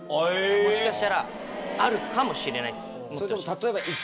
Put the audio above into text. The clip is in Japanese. もしかしたらあるかもしれないです。